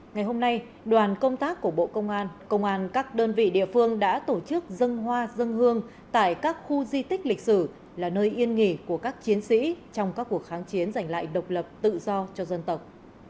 ngày hôm nay đoàn công tác của bộ công an công an các đơn vị địa phương đã tổ chức dân hoa dân hương tại các khu di tích lịch sử là nơi yên nghỉ của các chiến sĩ trong các cuộc kháng chiến giành lại độc lập tự do cho dân tộc